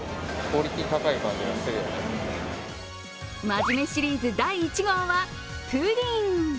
真面目シリーズ第１号はプリン。